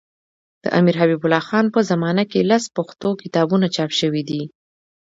د امیرحبیب الله خان په زمانه کي لس پښتو کتابونه چاپ سوي دي.